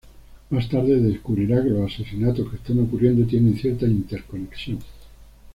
Más tarde descubrirá que los asesinatos que están ocurriendo tienen cierta interconexión.